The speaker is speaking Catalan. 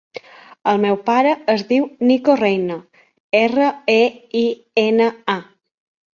El meu pare es diu Niko Reina: erra, e, i, ena, a.